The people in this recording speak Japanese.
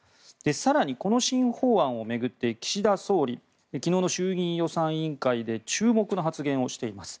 更に、この新法案を巡って岸田総理昨日の衆議院予算委員会で注目の発言をしています。